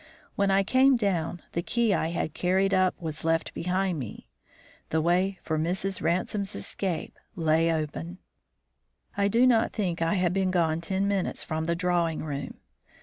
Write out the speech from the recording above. When I came down, the key I had carried up was left behind me. The way for Mrs. Ransome's escape lay open. I do not think I had been gone ten minutes from the drawing room.